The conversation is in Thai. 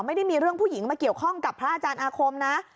ไม่ได้มีเรื่องผู้หญิงมาเกี่ยวข้องกับพระอาจารย์อาคมนะ